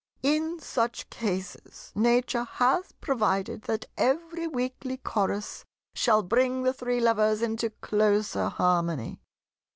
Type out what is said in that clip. In such cases Nature has provided that every weekly Chorus shall bring the three Lovers into closer harmony.